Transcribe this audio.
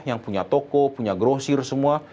yang punya toko punya grosir semua